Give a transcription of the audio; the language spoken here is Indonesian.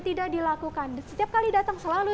tidak dilakukan setiap kali datang selalu